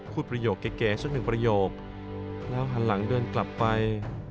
ประโยคเก๋สักหนึ่งประโยคแล้วหันหลังเดินกลับไป